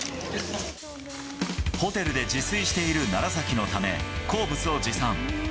ホテルで自炊している楢崎のため、好物を持参。